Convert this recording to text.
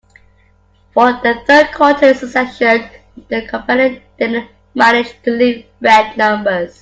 For the third quarter in succession, the company didn't manage to leave red numbers.